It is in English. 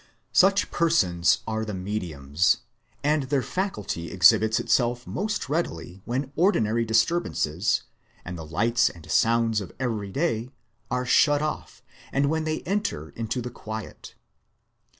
Such persons are the mediums; and their faculty exhibits itself most readily when ordinary disturbances, and the lights and sounds of every day, are shut off, and when they enter into the quiet.